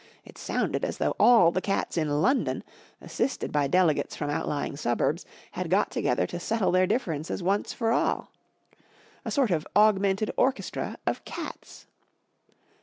It sounded as though all the cats in London, assisted by delegates from outlying suburbs, had got together to settle their differences once for all. A sort of augmented or¬ chestra of cats.